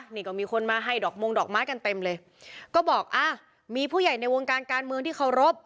นี่ก็มีคนมาให้ดอกมงดอกไม้กันเต็มเลยก็บอกอ่ะมีผู้ใหญ่ในวงการการเมืองที่เคารพ